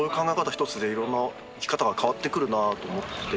ひとつでいろんな生き方が変わってくるなと思って。